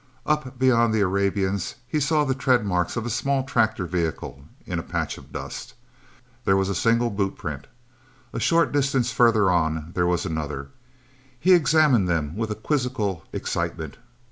Up beyond the Arabians, he saw the tread marks of a small tractor vehicle in a patch of dust. There was a single boot print. A short distance farther on, there was another. He examined them with a quizzical excitement.